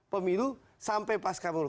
pemilu sampai pas kamu